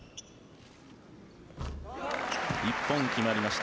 １本決まりました。